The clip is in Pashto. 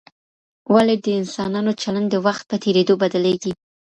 ولي د انسانانو چلند د وخت په تېرېدو بدلیږي؟